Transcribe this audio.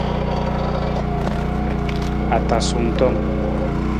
Atasung tom.